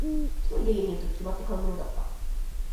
一人で家にいるとき、決まって買うものだった。